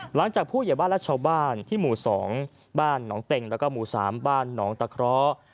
หลังจากผู้เหยียบบ้านและชาวบ้านที่หมู่๒นนเต็งและหมู่๓นนตะเคล้า